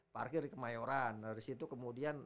parkir di kemayoran dari situ kemudian